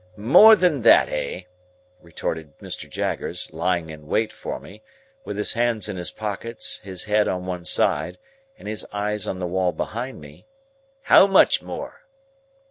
"More than that, eh!" retorted Mr. Jaggers, lying in wait for me, with his hands in his pockets, his head on one side, and his eyes on the wall behind me; "how much more?"